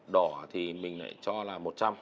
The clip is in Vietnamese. đỏ thì mình lại cho là một trăm linh